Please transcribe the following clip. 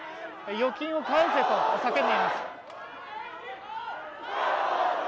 預金を返せと叫んでいます。